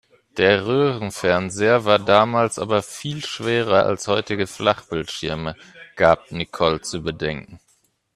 "Der Röhrenfernseher war damals aber viel schwerer als heutige Flachbildschirme", gab Nicole zu bedenken.